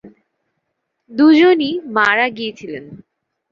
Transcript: দুজনই মারা গিয়েছিলেন।